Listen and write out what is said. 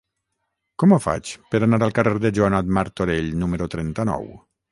Com ho faig per anar al carrer de Joanot Martorell número trenta-nou?